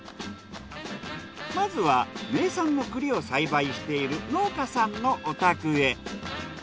まずは名産の栗を栽培している農家さんのお宅へ。